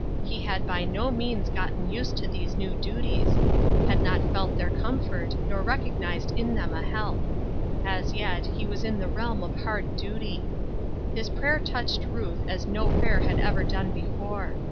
He had by no means gotten used to these new duties — had not felt their comfort, nor recognized in them a help. As yet he was in the realm of hard duty. His prayer touched Ruth as no prayer had ever done before.